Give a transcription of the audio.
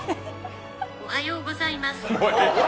おはようございます。